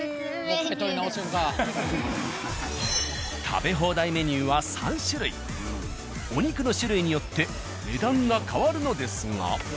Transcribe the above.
食べ放題メニューはお肉の種類によって値段が変わるのですが。